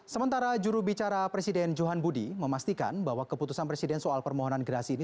sementara jurubicara presiden johan budi memastikan bahwa keputusan presiden soal permohonan gerasi ini